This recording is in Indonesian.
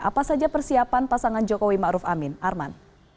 apa saja persiapan pasangan jokowi ma'ruf amin arman